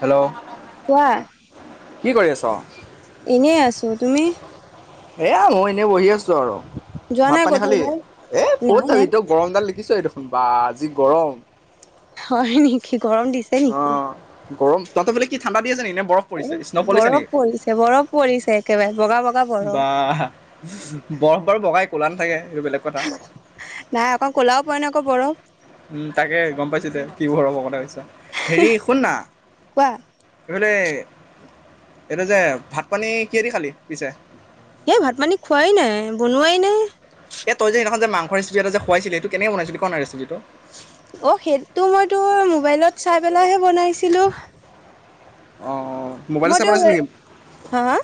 Hello কোৱা কি কৰি আছ? এনেই আছো, তুমি? এয়া মই এনেই বহি আছো আৰু যোৱা ভাত নাই পানী ক'তো খালি? ওলাই এ ক'ত নাই যাবি নাই তই গৰমডাল দেখিছ এই দেখোন বা আজি গৰম হয় নেকি গৰম দিছে নেকি? অ' গৰম, তাতেলে কি ঠাণ্ডা দি আছে নেকি নে বৰফ এ পৰিছে স্ন' পৰিছে বৰফ নেকি? পৰিছে বৰফ পৰিছে কেিব [unintelligible] বা বৰফ বাৰু বগাই কলা না থাকে এইটো বেলেগ কথা ক'বৰ উম তাকে গম পাইছো দে কি বোৰৰ হ'ব কথাছে হেৰি শুন না? কোৱা এইবোলে এইটো যে, ভাত পানী কিহেদি খালি পিছে? এই ভাত পানী খোৱাই নাই, বনোৱাই নাই। এ তই যে সেইনাখন মাংস ৰেচিপি এটা যে খুৱাইছিল, সটো কেনে বনাইছিল ক না চিপিটো? অ সেইটো মই তোৰ মোবাইলত চাই পেলাইহে বনাইছিলো। অ অহ। মটে, হা হা?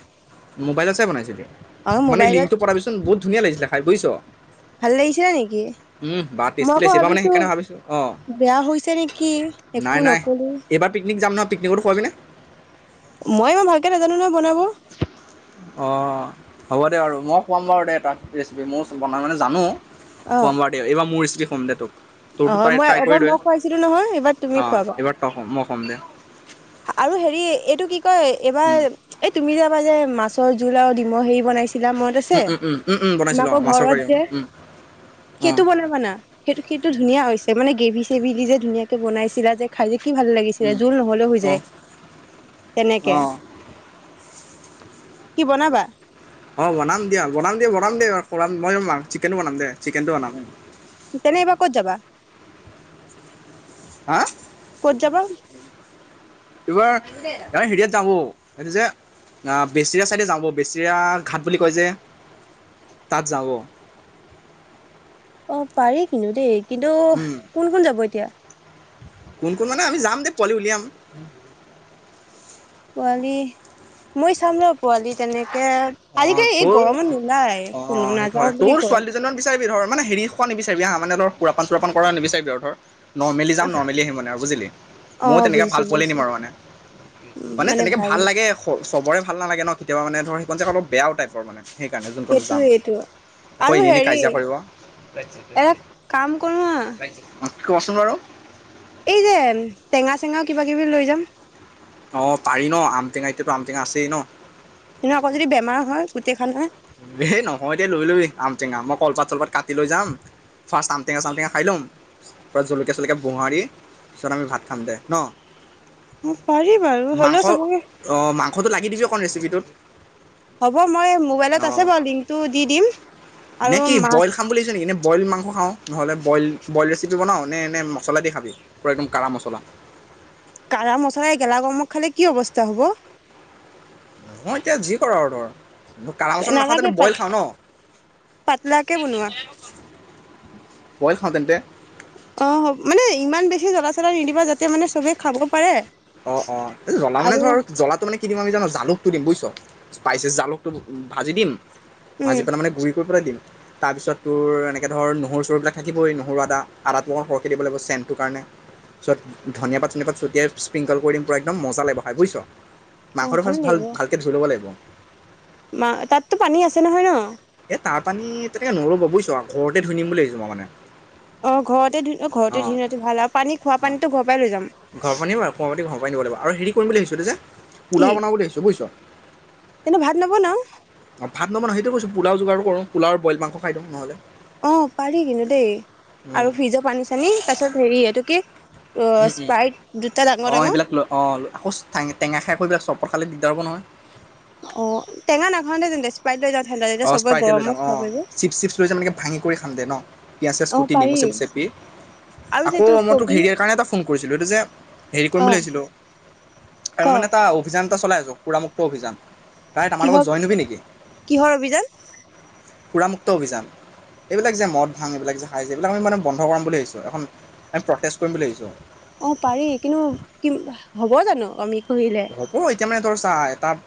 মোবাইলত চায় বনাই ছিলি অ মানে মোবাইলত লিংকটো পথাবিচোন, বহুত ধুনীয়া লাগিছিলে খায়, বুছ ভাল লাগিছিলে নেকি? বা মই টেষ্টি আকৌ লাগিছে এইবাৰ মানে ভাবিছো সেইকাৰণে ভাবিছোঁ অঁ বেয়া হৈছে নেকি, একো নকলো পিকনিকত খোৱাবিনে? মই ইমান ভালকে নাজানো নহয় বনাব অ হ'ব দে, আৰু মই খুৱাম বাৰু দে তাক, ৰেচিপি মইও বনাব মানে জানো অ কম বাৰু দিয়ক, এইবাৰ মোৰ ৰেচেপি সটো [unintelligible] অ মই এবাৰ মই খুৱাইছিলো নহয়, এইবাৰ তুমি অঁ খুৱাবা। এইবাৰ তই খোৱাম মই খোৱাম দে। আৰু হেৰি, এইটো কি কয় এইবাৰ উম এই তুমি যে যাবা যে মাছৰ জোল, আৰু ডিমৰ হেৰি বনাইছা কিবা মনত আছে, উম উম উম উম উম তোমাৰ বনাইছিলোঁ আকৌ অঁ মাছৰ ঘৰত কাৰি অঁ যে, উম অঁ সেইটো বনাবানা সেই সেইটো ধুনীয়া হৈছে মানে গ্ৰেভি গ্ৰেভি দি যে, ধুনীয়াকে বনাইছিলা যে খাই কি ভাল লাগিছিলে, উম জোল নহ'লেও হৈ তে অঁ ', তেনেকে অঁ কি বনাবা? অ ', বনাম দিয়া- বনাম দিয়া বনাম দে, মই মাংস বনাম দে চিকেনটো বনাম। তেনে এইবাৰ ক'ত যাবা? হা ক'ত যাবা? এইবাৰ হেৰিয়াত যাম এইটো যে বেচিৰা চাইডে যাম, বেচিৰা ঘাট বুলি কয় যে তাত যাম। অ', পাৰি কিন্তু দেই। কিন্তু উম কোন -কোন যাব এতিয়া? কোন -কোন মানে আমি যাম দেই পোৱালি উলিয়াম পোৱালি মই চাম ৰ পোৱালি তেনেকে, অ আজিকালি এই তোৰ গৰমত নোলাই অ কোনো সেইটো নাযাওঁ হয় তোৰ বুলি কয়। ছোৱালী দুজনীমান বিচাৰিবি ধৰ মানে হেৰি খোৱা নিবিচাৰিবি হা মানে সুৰাপান -চোৰাপন কৰা নিবিচাৰিবি আৰু ধৰ নৰ্মেলি যাম নৰ্মেলি আহিম মানে, আৰু বুজিলি অ মইয়ো তেনেকা বুজিছো ভাল পোৱালী বুজিছো নিব নোৱাৰো মানে মানে তেনেকে ভাল লাগে। চবৰে নালাগে ন, কেতিয়াবা মানে ধৰ সেখন যে অলপ বেয়া টাইপৰ মানে সেইকাৰণে, যোনকন যাম সেইটোয়েইটো আকৌ আৰু এনেই এনেই হেৰি কাজিয়া কৰিব এটা কাম কৰো হা কোৱাচোন বাৰু এই যে, টেঙা -চেঙাও কিবা কিবি লৈ যাম। অ পাৰি ন, আমটেঙা এতিয়াতো আম টেঙা আছেই ন। কিন্তু আকৌ যদি বেমাৰ হয় গোটেইখনৰ য়ে এই নহয় দে লৈ লবি, আমটেঙা মই কলপাত চলপাত কাটি লৈ যাম, ফাৰ্ষ্ট আমটেঙা চামটেঙা খাই ল'ম, পুৰা জলকীয়া চলকীয়া মোহাৰি পিছত আমি ভাত খাম দে ন। অ পাৰি, বাৰু মাংস হ'লেও চবকে অঁ মাংসটো লাগি দিবি অকণ ৰেচিপিটোত হ'ব মই মোবাইলত আছে অঁ বাৰু, লিংকটো দি দিম। আৰু নে কি মাছ বইল খাম বুলিচ নেকি নে বইল মা মাংস খাওঁ নহ'লে বইল, বইল ৰেচিপি বনাওঁ নে নে মছলা দি খাবি, পুৰা একদম কাৰা মছলা। কাৰা মচলা এই গেলা গৰমত খালে কি অৱস্থা হব? মই এতিয়া যি কৰা আৰু তৰ নালাগে পাত পাতলাকে বনোৱা বইল খাওঁ তেন্তে আহ মানে ইমান বেছি জ্বলা নিদিবা যাতে মানে চবে খাব পাৰে। অ অ জ্বলা মানে আৰু ধৰ জ্বলাটো মানে কি দিম আমি জানো জালুকটো দিম বুইছ, স্পাইচেছ জালকটো ভাজি দিম? ভাজি উম পেলাই মানে গুৰি কৰি পেলাই দিম। তাৰপিছত তোৰ এনেকৈ ধৰ নহৰু চৰুবিলাক থাকিবই নহৰু আদা আদাটো মৰ সৰকৈ দিব লাগিব চেণ্টৰ কাৰণে তাৰিছ ধুনীয়া পাত চনিয় পাত ছটিয়াই স্প্ৰিংকল কৰি দিম পুৰা একদম মজা লাগিব খাই হয় বুজছ। অ মাংসটো ফাৰ্ষ্ট লাগিব ভাল ভালকে ধুই ল'ব লাগিব। মা তাতো পানী আছে নহয় ন? এই তাৰ পানী তেনেকে নলব বুইছ ঘৰতে ধুই নিম বুলি ভাবছো মই মানে। অ ঘৰতে ধ ঘৰতে অঁ ধুনটো ভাল আৰু পানী খোৱা অঁ পানীটো ঘৰৰ পৰাই লৈ যাম। ঘৰৰ পানী অকণমান পাতি ঘৰৰ পানী দিব লাগিব আৰু হেৰি কৰিম বুলি ভাবিছোঁ যে। পোলাও বনাম বুলিভাবিছোঁ বুজিছঁ, অনু ভাত নবনাও? অঁ ভাত নবনাও সেইটো কছো পোলাও যোগাৰ কৰো পোলাও বইল মাং খাইওঁ নহ'লে। অ পাৰি কিন্তু। দেই আৰু ফিজৰ পানী চানী তাৰ পিছত হেৰি এইটো কি অ উম উম স্প্ৰাইট দুটা ডাঙৰ অ ডাঙৰ এইবিলাক ল অ আকৌ টেঙা খৈ এইবিলাক চব খালি দিগদাৰ হ'ব নহয়, অ টেঙা নাখাওঁতে তেন দে স্প্ৰাইট লৈ যাম। অ স্প্ৰাইট লৈ যাম অ চিপচ চিপ লৈ যাম এনেকে ভাঙি কৰি খান্ দে ন পিয়াজ চিয়াজ অ কুটি পাৰি নেমচেমু চেপি আৰু যে আকৌ এইটো মইতো কবি সেৰিয়াৰ কাৰণে এটা ফোন কৰিছিলোঁ এইটো যে, হেৰি কৰিম অ বুলি ভাবিছিলো ক আৰু মানে এটা অভিযান এটা চলাই আ ৰখুৰাম মুুক্ত অভিযান তাই আমাৰ লগত কিহত জইন হবি নেকি কিহৰ অভিযান? সুৰামুক্ত অভিযান এইবিলাক যে মদ ভাং এইবিলাক যে খাই যে এইবিলাক আমি মানে বন্ধ কৰাম বুলি ভাবিছো এখন আমি প্ৰটেষ্ট কৰিম বুলি ভাবিছোঁ। অ পাৰি কিন্তু কি হ'ব জানো আমি কৰিলে হ'ব এতিয়া মানে চা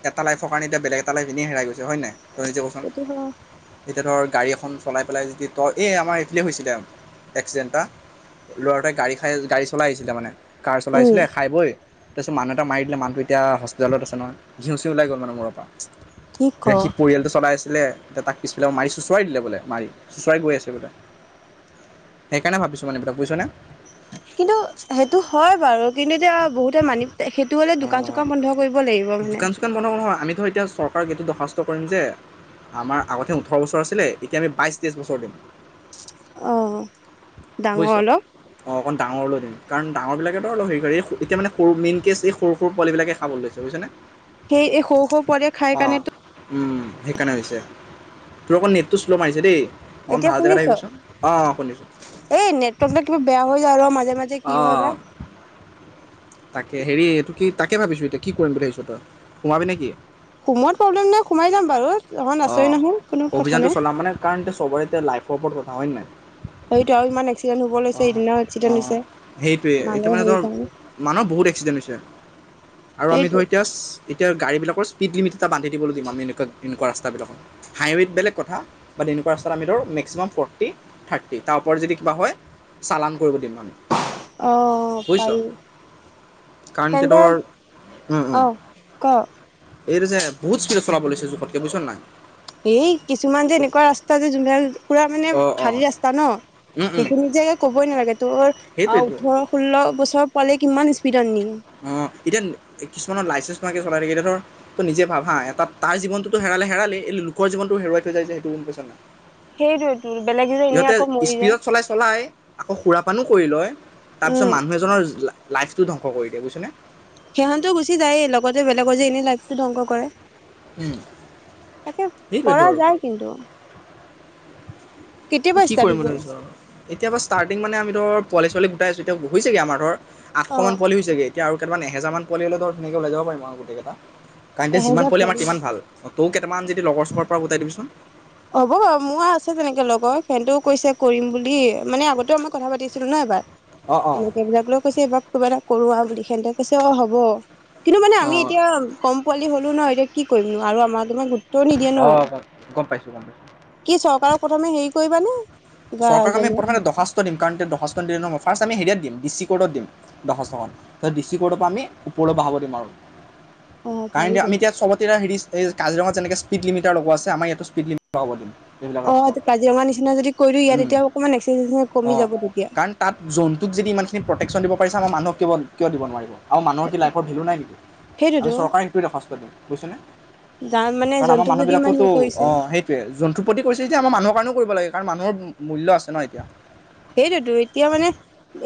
এটা লাইফ কাৰণে এতিয়া বেলেগ এটা লাইফ এনেই হেৰাই গৈছে হয় নাই? ধনিজ কচোন সেইটো হয় এতিয়া ধৰ গাড়ী এখন চলাই পেলাই যদি তই এই আমাৰ এইফালেই হৈছিলে এক্সিডেণ্ট এটা ল'ৰাটোৱে গাড়ী খাই গাড়ী চলাই আহিছিলে মানে। কাৰ উম চলাইছিলে খাই বৈ, তাৰপিছত মানুহ মাৰি দিলে মানুহটো এতিয়া হস্পিতেলত আছে নহয় ঘিউ চিউ ওলাই গল মানে মূৰৰ পা। কি ক সি পৰিয়ালটো চলাই আছে লে তাক পিছফালে মাৰি চোঁচৰাই দিলে বোলে মাৰি চোঁচৰাই গৈ আছে বোলে সেইকাৰণে ভাবিছোঁ মানে এইবিলাক বুইছ নে? কিন্তু সেইটো হয় বাৰু কিন্তু এতিয়া বহুত মানি সেইটো হ'লে দোকান চোকান বন্ধ কৰিব লাগিব মানে দোকান চোকান বন্ধ নহয় আমি ধৰ এতিয়া চৰকাৰক এইটো দৰ্খাস্ত কৰিম যে আমাৰ আগতে ওঠৰ বছৰ আছিলে এতিয়া আমি বাইছ তেইছ বছৰ দিম । অ হ ডাঙৰ অলপ অঁ অকণ ডাঙৰ লৈ দিম কাৰণ ডাঙৰবিলাকেতো অলপ হেৰি কৰে এতিয়া মানে সৰু মেইন কে এই সৰু সৰু পোৱালিবিলাকে খাব লৈছে বুজিছেনে? সেয়ে সৰু সৰু পোৱালি য়ে খাই কাৰণে তো সেইকাৰণে হৈছে তোৰ অকৌ নেট টো চ্লমাৰিছে দেই- অকমান ভাল জেগাত শুনিছ আহিবিচোন অ অ শুনিম । এই নেটৱৰ্ক কিবা বেয়া হৈ যায় আৰু মাজে মাজে কি হয় অঁ বা তাকে হেৰি এইটো কি তাকে ভাবিছোঁ এতিয়া কি কৰিম বুলি ভাবিছ তই সোমাবি নে কি? সোমোৱত প্ৰব্লেম নাই সোমাই যাম বাৰু তহত আচয়ে অঁ নহয় কোনো কথা অভিযানটো নাই চলাম মানে কাৰণ এতিয়া চবৰে এতিয়া লাইফৰ হয় নি? সেইটো আৰু ইমান এক্সিডেণ্ট হ'ব অ লৈছে এদিনৰ অ এক্সিডেণ্ট হৈছে সেইটোৱেই এতিয়া মানুহৰ মানে হেৰি ধৰ কাৰণে মানুহৰ বহুত এক্সিডেণ্ট হৈছে আৰু আমি ধৰ সেইটোৱে এতিয়া গাড়ীবিলাকৰ স্পীড লিমিট এটা বান্ধি দিবলৈ দিম আমি এনেকা এনেকুৱা ৰাস্তাবিলাকত। হাইৱেত বলেগ কথা বাট এনেুৱা ৰাস্তাত আমি ধৰো মেক্সিাম ফৰ্টি থাৰ্টি তাৰ ওপৰত যদি কিবা হয়। [inaudible] চালান কৰিব দিম আমি অ বুজিছ পাৰি কাৰণ এতিয়া তেন্তে ধৰ অ কহ । এইটো যে বহুত স্পিডত চলাব লৈছে জোখত কে বুজিছ নাই । এই কিছুমান যে এনেকুৱা ৰাস্তা জোন পুৰা মানে অ', অ', খালী ৰাস্তা ন উম, উম, সেইখিনি। মোক যে ক'বই নালাগে তোৰ সেইটোৱেতো ওঠৰ ষোল্ল বছৰ। ওচৰ পালে কিমান স্পীড নিম। অ এতিয়া কিছুমানৰ লাইচেঞ্চ নোৱাকে চলাই থাকিলে ত, নিজে ভাল হা এটা তাৰ জীৱনটো ত, হেৰালে হেৰালে এই লোকৰ জীৱনটো হেৰুৱাই থৈ যায় যে সেইটো মোৰ পছন্দ নাই। সেইটোৱেই সিহঁতে স্পীডত চলাই চলাই আকৌ অ সুৰাপানো কৰি লয় তাৰ পিছত উম মানুহ এজনৰ লাইফ। লাইফটো ধ্বংস কৰি দিয়ে বুজিছনে। সিহঁতেও গুচি যায়েই, লগতে বেলেগৰ যে এনেই লাইফটো ধ্বংস কৰে। উম, তাকে সেইটোৱেতো কৰা আৰু যায় কিন্তু। ত কেতিয়াবা কি ষ্টাৰ্ট কৰিম বুলি হ'ব ভাবিছ এতিয়াৰ ষ্টাৰ্টিং মানে আমি ধৰ পোৱালি ছোৱালী গোটাই আছোঁ এতিয়া হৈছেগৈ আমাৰ ধৰ। আঠশ অ মান পোৱালি হৈছেগে। এতিয়া আৰু কেইটামান এহেজাৰ মান পোৱালি লগত নিব লৈ যাব পাৰিম পাৰিম আৰু গোটেইগিটা। কাৰণতে যিমান পোৱালি আমাৰ সিমান ভাল। তও কেইটামান যদি লগৰ চগৰ পৰা গোটাই দিবিচোন। হ'ব বাৰু মোৰ আছে তেনেকে লগৰ ফ্ৰেণ্ডও কৈছে কৰিম বুলি। মানে আগতেও মই কথা পাতিছিলো ন এবাৰ। অঁ অঁ কেলে কতুবাত লৈ গৈছে এইবাৰ । [inaudible] কিবা এটা কৰো আহা বুলি বিশেষ কে কৈছে অ হব। [inaudible] কিন্তু মানে আমি অঁ এতিয়া কম পোৱালি হলেও। কোন হয় ত কি কৰিম নো আৰু আমাক ইমান গুৰুত্ব অ গম পাইছো। [inaudible] ঠিক আছে । [inaudible] কি চৰকাৰক প্ৰথমে হেৰি কৰিবানে? কিবা চৰকাৰ মানে জনোৱা প্ৰথমে দখাস্ত। [inaudible] ত দিম কাৰণ দৰ্খাস্ত দিলে ফাৰ্ষ্ট আমি হেৰিয়াত দিম ডিষ্টি কৰ্টত দিম দৰ্খাস্ত খন ত ডি কৰ্টৰ পৰা আমি ওপৰলৈ বঢ়াব দিম আৰু । অ কাৰণ পাৰি এতিয়া আমি জানো। এতিয়া চবতে ৰিস্ক। [inaudible] এই কাজিৰঙা যেনেকে স্পীড লিমিটাৰ লগোৱা আছে আমাৰ ইয়াতো স্পীড লিমিটাৰ হব দিম। [inaudible] অ কাজিৰঙাৰ নিচিনা যদি কৰি দিওঁ ইয়াত তেতিয়া অকণমান এক্সাৰচাইজ অ, কমি যাব তেতিয়া। কাৰণ তাত জন্তুক যদি ইমান খিনি প্ৰটেক্টচন দিব পাৰিছে, ‌‌ আমাৰ মানুহক কিয় দিব নোৱাৰে? আৰু মানুহৰ কি লাইফৰ ভেলু নাই নিকি? আমি সেইটোতো চৰকাৰক সেইটোৱে দৰ্শাস্ত দিওঁ বুজিছনে? যাৰ মানে কাৰণ আমাৰ জন্তুক যদি ইমান মানুহবিলাকোতো‌, হেৰি কৰিছে অঁ সেইটোৱে, জন্তুৰ প্ৰতি কৰিছে যদি আমাৰ মানুহৰ কাৰণেও কৰিব লাগে। কাৰণ মানুহৰ মূল্য আছে ন এতিয়া। সেইটোতো এতিয়া মানে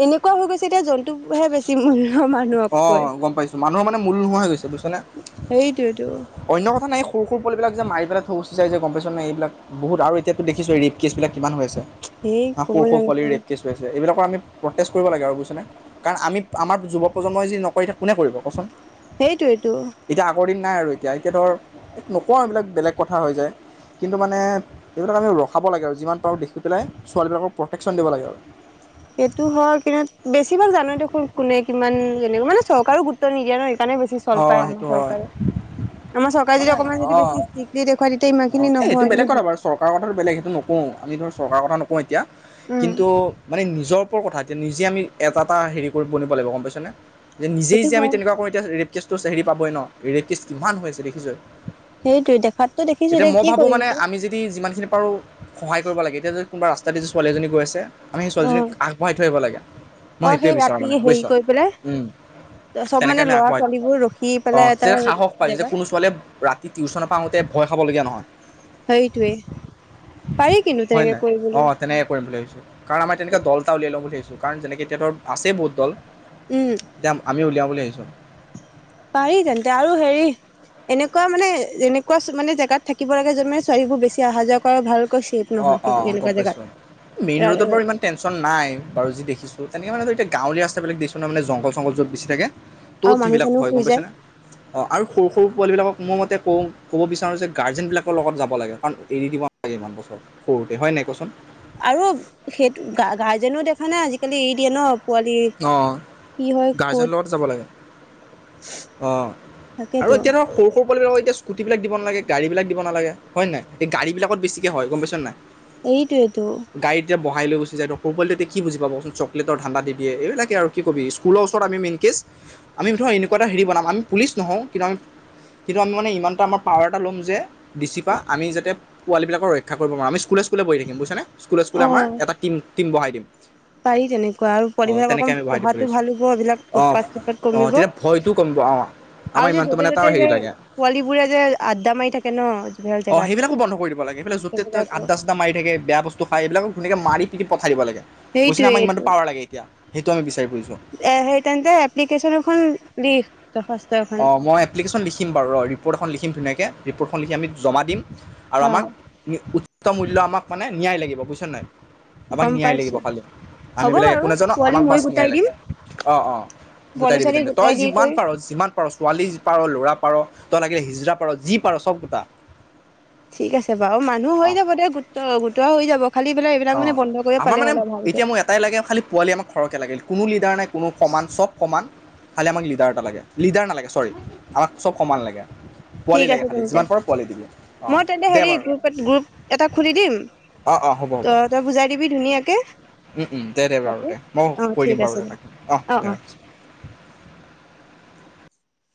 এনেকুৱা হৈ গৈছে এতিয়া মানে জন্তুবোৰ হে বেছি মূল্য। মানুহতকৈ। অ'‌ গম পাইছো। মানুহৰ মানে মূল্য নোহোৱা হৈ গৈছে। বুজিছানে। সেইটোৱেই তো‌। অন্য কথা নাই সৰু সৰু পোৱালিবিলাক যে মাৰি পেলায় থৈ গুচি যায় যে গম পাইছ এইবীলাক আৰু এতিয়াতো দেখছোঁয়ে ৰে'প কেছ‌ বিলাক।‌ কিমান হৈ আছে, সেই ক'ব ‌সৰু সৰু নালাগে পোৱালি ৰে'প কেছ হৈ আছে এইবিলাক প্ৰ'টেষ্ট কৰিব লাগে আৰু বুজিছনে, কাৰণ আমি আমাৰ যুৱ প্ৰজন্মই যদি নকৰে, ‌ এতিয়া কোনে কৰিব কওঁকচোন? সেইটোৱেই তো‌। নাই আৰু এতিয়া এতিয়া ধৰ নকওঁ আৰু এইবিলাক বেলেগ কথা হৈ যায় এইবিলাক বেলেগ কথা হৈ যায় কিন্তু মানে, এইবিলাক‌ আমি ৰখাব লাগে আৰু যিমান পাৰোঁ‌ ছোৱালী বিলাকক প্ৰটেকছন দিব লাগে আৰু সেইটো হয় কিন্তু বেছি ভাগ জানয়ে দেখোন কোনে কিমান কেনেকৈ মানে চৰকাৰও গুৰুত্ব নিদিয়ে নহ সেইকাৰণে বেছি চল পায়, অ' সেইটো আমাৰ হয়। চৰকাৰে, আমাৰ চৰকাৰে মানে যদি অকমান যদি অঁ বেছি [unintelligible] দেখুৱাই তেতিয়া অঁ ইমানখিনি এই সেইটো নহয় বেলেগ কিন্তু। চৰকাৰ কথা নকওঁ এতিয়া উম কিন্তু মানে নিজৰ অঁ এতিয়া নিজে আমি এটা এটা হেৰি কৰিব দিব লাগিব গম পাইছ নে? যে নিজেই সেইটো যদি আমি হয় তেনেকুৱা কৰোঁ এতিয়া ৰে'প কেছ টো যে হেৰি পাবই ন, ৰে'প‌ কেছ কিমান হৈ আছে দেখিছয়ে। সেইটোৱে দেখাততো দেখিছো এতিয়া মওঁ কি ভাবোঁ কৰিম মানে এতিয়া আমি যদি, যিমান খিনি পাৰো সহায় কৰিব লাগে এতিয়া যদি কোনোবা ৰাস্তায়েদি ছোৱালী এজনী গৈ আছে। আমি সেই অ ছোৱালীজনীক আগবঢ়াই থৈ আহিব লাগে, মই অ সেইটোৱে সেই বিচাৰোঁ ৰাতি মানে হেৰি বুজিছ, কৰি পেলাই চব তেনেকে মানে আমি ল'ৰা আগবঢ়াই থৈ, ছোৱালীবোৰ ৰখি পেলাই এটা তেনেকে যে সাহস পায় যে জেগাত কোনো ছোৱালীয়ে ৰাতি টিউছনৰ পৰা আহোঁতে ভয় খাবলগীয়া নহয়।‌ সেইটোৱে, পাৰি কিন্তু হয় তেনেকে নাই অ কৰিবলৈ। তেনেকে কৰিম বুলি ভাবিছোঁ কাৰণ আমাৰ তেনেকে দল এটা উলিয়াই লম বুলি ভাবিছোঁ। কাৰণ যেনেকে এতিয়া বাৰু, আছে বহুত দল। উম [unintelligible] আমি উলিয়াম। উলিয়াইছোঁ। পাৰি তেন্তে, আৰু হেৰি এনেকুৱা মানে এনেকুৱা মানে জেগাত থাকিব লাগে য'ত মানে ছোৱালীবোৰ বেছি অহা যোৱা কৰা ভাল। অঁ অঁ গম পাইছোঁ মেইন ৰোডত বাৰু ইমান টেনছন নাই বাৰু যি দেখিছোঁ। তেনেকে মানে এতিয়াঁ গাৱলীৱা ৰাস্তাবিলাক দেখিছন মানে জংঘল ছংঘল বিলাক বেছি থাকে। তত আৰু মানুহ সেইবিলাক ভয় চানুহ গম শুই পাইছ যায় নে আৰু সৰু সৰু ছ পোৱালবিলাকক মই মতে কওঁ ক'ব বিচাৰোঁ যে গাৰ্জেনবিলাকৰ লগত যাব লাগে কাৰণ এৰি দিব নালাগে ইমান বছৰ সৰুতে হয় নাই কচোন? আৰু সেই গ গাৰ্জেনও দেখা নাই আজিকালি এৰি দিয়ে ন। পোৱালি অ কি হয় গাৰ্জেনৰ ক'ত? লগত যাব লাগে অ তাকেতো আৰু এতিয়া ধৰক সৰু সৰু কল এতিয়া স্কুটিবিলাকিবাগে গড়ী বিলাক দিবালাগে হয় নাই এই গাড়ী বিলাকত বেছিকে হয় গম পাইছ নাই এইটোৱেইটো। গাড়ীত এতিয়া বহাই লৈ গুছি যায় সৰু পোৱালি টো কি বুজি পাবচোন চকলেটৰ ধানদা দিন। দিয়ে এইবিলাকে আৰু কি কবি স্কুলৰ ওচৰত আমি মেইনক কেচ আমি ধৰক এনেকুৱা এটা হেৰি বনাম আমি পুলিচ নহওঁ কিন্তু আমি কিন্তু আমি মানে ইমান এটা আমাৰ পাৱাৰ এটা ল'ম যে, ডিচিপা আমি যাতে, পোৱালী বিলাকক ৰক্ষা কৰিব নোৱাৰিম আমি স্কুলে স্কুলে সকুলোৱে বহি থাকিম বুইছ নে স্কুলে স্কুলে অ আমাৰ এটা টিম টিম বঢহাই দিম। পাৰি তেনেকে। অ তেনেকে আমি বহাই দিব লাগিছো এইবিলাক অ উৎপাত চুৎপাত অ কমিব তেতিয়া ভয়টো কমিব আহ আমাৰ আৰু যে ইমানো য'তে মানে তাৰ ত'তে হেৰি যে লাগে পোৱালীবোৰে যে আড্ডা মাৰি থাকে ন যিবিলাক আহ জেগাত সেইবিলাক বন্ধ কৰি দিব লাগে সেইফালে যতে সেইবিলাকো আদাচাদা মাৰি থাকে বেয়া বস্তু খাই এইবিলাকক ধুনীয়াকে মাৰি প পঠাই দিব লাগে। বুছিনে আমাক ইমানটো সেইটোৱেই পাৱাৰ লাগে । সেইটো আমি বিচাৰিম এ সেই তেন্তে এপ্লিকেশন এখন লিখ দশাস্ত অ মই এপ্লিকেশন লিখিম বাৰু ৰিপৰ্ট এখন লিখিম । ধুনীয়াকে ৰিপৰ্ট খন লিখি আমি জমা দিম । আৰু অ আমাক মূল্য আমাক মানে নিয়াই লাগিব বুজিছ নাই । আমাক গম নিয়াই লাগিব পাইছো খালি আমি হ'ব বিলাক বাৰু একো নাজানো পোৱালি আমাক মই বাছ নিয়াই গোটাই দিম লাগে অ অ গোটাই পোৱালি দিবি ছোৱালী তেন্তে তই গোটাই দি যিমান কৰি পাৰ যিমান ছোৱালী যি পাৰলৈ ৰা পাৰ তই লাগিলে হিজৰা পাৰ যি পাৰ চব গোটা ঠিক আছে বাৰু মানুহ অ হৈ যাব দে গোট গোটোৱা হৈ যাব খালি মানে এইবিলাক অ', মানে বন্ধ কৰিব আমাৰ পালে মানে হল আৰু এতিয়া ভালকে মোক এটাই লাগে খালি পোৱালি আমাক সৰহকে লাগে কোনো লিডাৰ নাই কোনো সমান চব সমান খালি আমাক লিডাৰ এটা লাগে। লিডাৰ নালাগে চৰি আমাক চব সমান লাগে । ঠিক পোৱালি লাগে আছে খালী তেন্তে যিমান পাৰো পোৱালি দিবি অ মই তেন্তে দে হেৰি বাৰু গ্ৰুপ গ্ৰুপ এটা খুলি দিম অ অ হ'ব ত হ'ব ও‌ তই বুজাই দিবি ধুনীয়াকে ও দে দে বাৰু তাতে দে মই অ কৈ দিম ঠিক বাৰু আছে দে তাকে অ দে ৰাখিছো ।